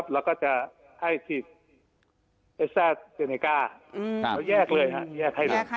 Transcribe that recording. และที่เอเซ็นเทอร์จะแยกให้